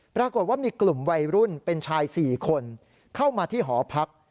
ปรากฏว่ามีกลุ่มวัยรุ่นเป็นชาย๔คนเข้ามาที่หอพัก